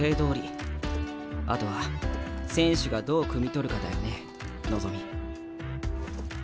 あとは選手がどうくみ取るかだよね望。